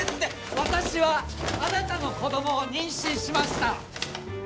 私はあなたの子供を妊娠しました